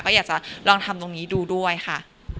ก็อยากจะลองทำตรงนี้ดูด้วยค่ะ